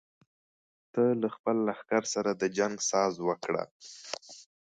ته له خپل لښکر سره د جنګ ساز وکړه.